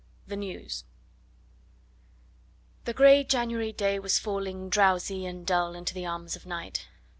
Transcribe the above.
THE NEWS The grey January day was falling, drowsy, and dull into the arms of night.